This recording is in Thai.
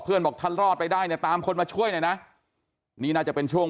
บอกท่านรอดไปได้เนี่ยตามคนมาช่วยหน่อยนะนี่น่าจะเป็นช่วง